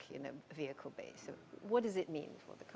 apa artinya bagi perusahaan ini